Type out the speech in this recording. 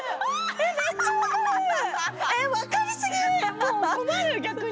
もう困る逆に！